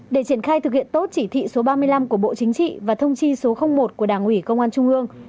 để triển khai thực hiện tốt chỉ thị số ba mươi năm của bộ chính trị và thông chi số một của đảng ủy công an trung ương